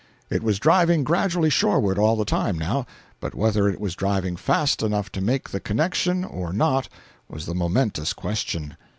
It was driving gradually shoreward all the time, now; but whether it was driving fast enough to make the connection or not was the momentous question.